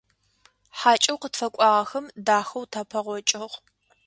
ХьакӀэу къытфэкӀуагъэхэм дахэу тапэгъокӀыгъ.